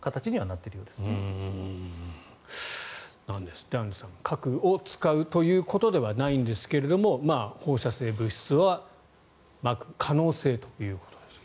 なんですってアンジュさん核を使うということではないんですが放射性物質はまく可能性ということです。